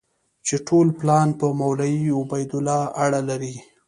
چې ټول پلان په مولوي عبیدالله اړه لري.